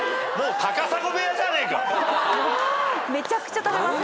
めちゃくちゃ食べます。